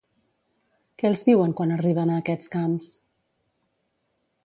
Què els diuen quan arriben a aquests camps?